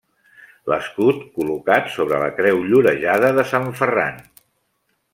L'escut col·locat sobre la Creu Llorejada de Sant Ferran.